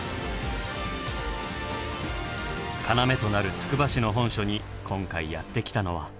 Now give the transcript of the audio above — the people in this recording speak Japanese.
要となるつくば市の本所に今回やって来たのは。